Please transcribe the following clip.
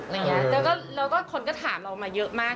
แล้วก็คนก็ถามเรามาเยอะมาก